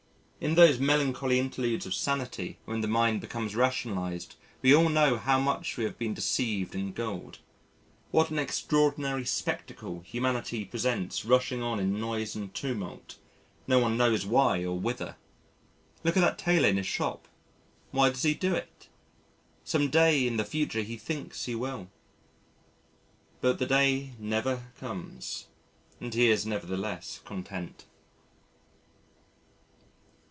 In those melancholy interludes of sanity when the mind becomes rationalised we all know how much we have been deceived and gulled, what an extraordinary spectacle humanity presents rushing on in noise and tumult no one knows why or whither. Look at that tailor in his shop why does he do it? Some day in the future he thinks he will.... But the day never comes and he is nevertheless content.